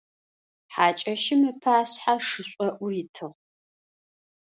Хьакӏэщым ыпашъхьэ шышӏоӏур итыгъ.